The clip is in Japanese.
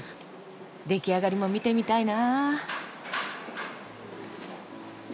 出来上がりも見てみたいな。